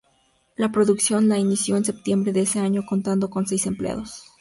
La producción la inició en septiembre de ese año, contando con seis empleados.